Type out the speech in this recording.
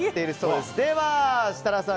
では、設楽さん